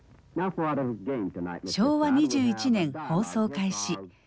昭和２１年放送開始。